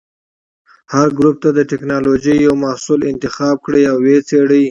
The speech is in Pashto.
هر ګروپ دې د ټېکنالوجۍ یو محصول انتخاب کړي او وڅېړي.